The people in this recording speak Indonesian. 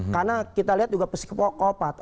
karena kita lihat juga pesikopat